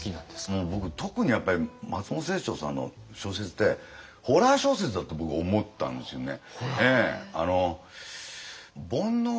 もう僕特にやっぱり松本清張さんの小説ってホラー小説だって僕思ったんですよね。